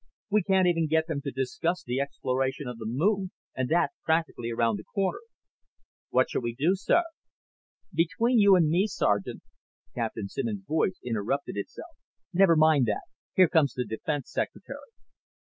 We can't even get them to discuss the exploration of the moon, and that's practically around the corner." "What shall we do, sir?" "Between you and me, Sergeant " Captain Simmons' voice interrupted itself. "Never mind that now. Here comes the Defense Secretary."